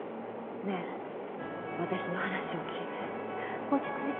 ねぇ私の話を聞いて落ち着いて。